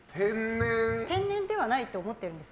天然ではないと思ってるんです。